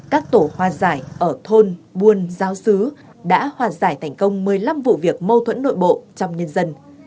các tổ hòa giải ở thôn buôn giáo sứ đã hòa giải thành công một mươi năm vụ việc mâu thuẫn nội bộ trong nhân dân